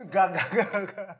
gak gak gak